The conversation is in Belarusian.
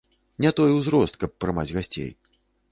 Не той узрост, каб прымаць гасцей.